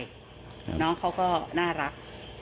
น้องเขาก็น่ารัก